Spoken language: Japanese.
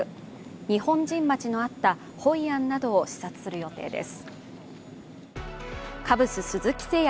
日本人街のあったホイアンなどを視察する予定です。